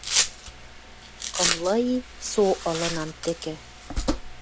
Кымлы и со ылынам тӹкӹ